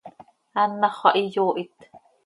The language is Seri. Anàxö xah iyoohit.